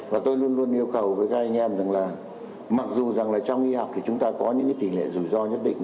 và tôi luôn luôn yêu cầu với các anh em rằng là mặc dù trong y học chúng ta có những tỷ lệ rủi ro nhất định